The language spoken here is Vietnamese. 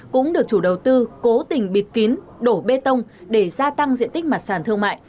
cũng được chủ đầu tư cố tình bịt kín đổ bê tông để gia tăng diện tích mặt sàn thương mại